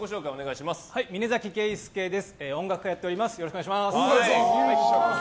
お願いします。